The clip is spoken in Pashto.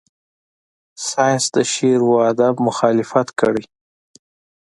ساینس د شعر و ادب مخالفت کړی.